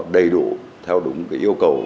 nó đầy đủ theo đúng yêu cầu